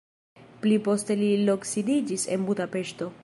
Pli poste li loksidiĝis en Budapeŝto.